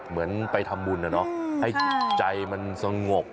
เหมือนไปทำบุญนะเนาะให้จิตใจมันสงบ